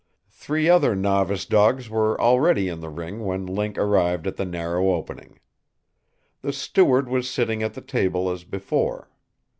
Three other novice dogs were already in the ring when Link arrived at the narrow opening. The steward was sitting at the table as before.